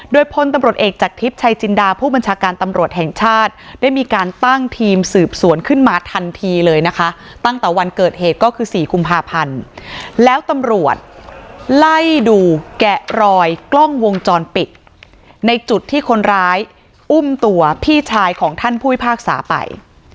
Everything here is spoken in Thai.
โดยพลตำรวจเอกจากทิพย์ชัยจินดาผู้บัญชาการตำรวจแห่งชาติได้มีการตั้งทีมสืบสวนขึ้นมาทันทีเลยนะคะตั้งแต่วันเกิดเหตุก็คือ๔กุมภาพันธ์แล้วตำรวจไล่ดูแกะรอยกล้องวงจรปิดในจุดที่คนร้ายอุ้มตัวพี่ชายของท่านผู้พิพากษาไป